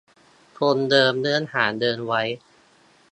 คงเดิมเนื้อหาเดิมไว้